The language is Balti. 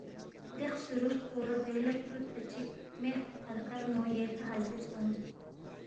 دے خسُورُوب پو ردوے لہ ترُودپا چِک مےخرخرمو ییکھہ حاضر سونگس